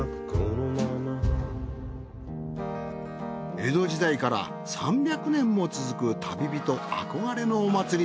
江戸時代から３００年も続く旅人憧れのお祭り